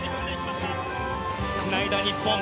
つないだ日本。